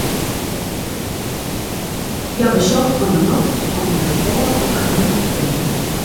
Hja besocht om 'e nocht om it rekôr op har namme te bringen.